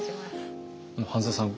半澤さん。